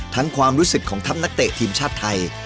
ความรู้สึกของทัพนักเตะทีมชาติไทย